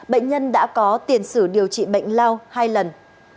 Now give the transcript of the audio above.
bệnh nhân đã có tiền sử điều trị bệnh lao hai lần